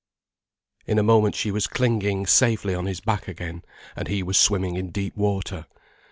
In a moment she was clinging safely on his back again, and he was swimming in deep water.